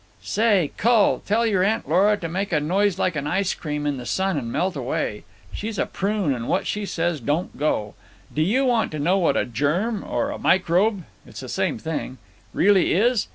"Say, cull, you tell your Aunt Lora to make a noise like an ice cream in the sun and melt away. She's a prune, and what she says don't go. Do you want to know what a germ or a microbe—it's the same thing—really is?